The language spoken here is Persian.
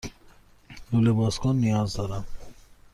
لوله بازکن نیاز دارم.